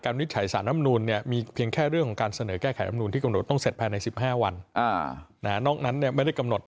เรื่องของการเสนอแก้ไขรับนูนที่กำหนดต้องเสร็จภายในสิบห้าวันอ่าอ่านอกนั้นเนี่ยไม่ได้กำหนด